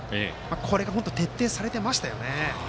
これ本当に徹底されていましたね。